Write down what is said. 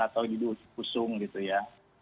atau diusung gitu ya